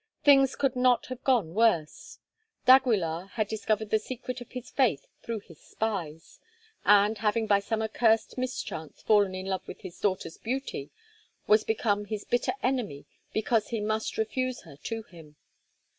Things could not have gone worse. d'Aguilar had discovered the secret of his faith through his spies, and, having by some accursed mischance fallen in love with his daughter's beauty, was become his bitter enemy because he must refuse her to him.